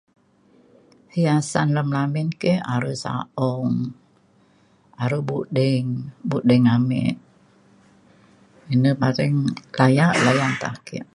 hiasan alem lamin ke a're saong a're buding buding ame iner paring laya layan ta ake